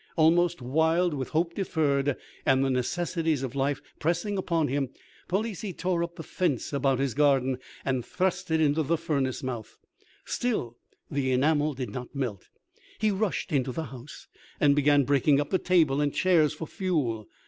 Almost wild with hope deferred, and the necessities of life pressing upon him, Palissy tore up the fence about his garden, and thrust it into the furnace mouth. Still the enamel did not melt. He rushed into the house, and began breaking up the table and chairs for fuel.